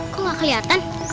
kok gak keliatan